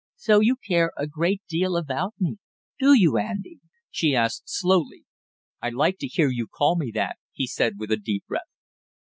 "So you care a great deal about me, do you, Andy?" she asked slowly. "I like to hear you call me that!" he said with a deep breath.